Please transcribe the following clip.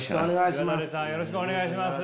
よろしくお願いします。